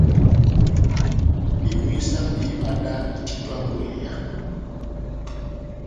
Bewisa béhimadani títo ya ngweya.